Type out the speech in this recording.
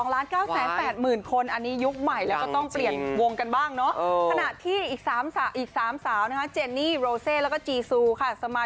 ๑๒ล้าน๙๘๐หมื่นคนอันนี้ยุคใหม่แล้วก็ต้องเปลี่ยนวงกันบ้างเนาะ